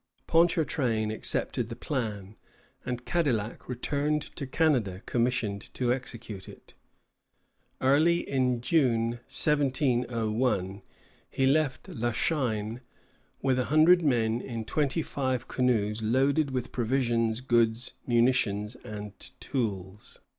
Ponchartrain accepted the plan, and Cadillac returned to Canada commissioned to execute it. Early in June, 1701, he left La Chine with a hundred men in twenty five canoes loaded with provisions, goods, munitions, and tools.